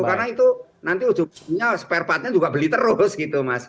karena itu nanti ujungnya spare part nya juga beli terus gitu mas